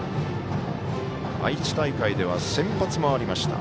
愛知大会では先発もありました。